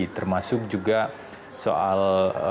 termasuk juga soal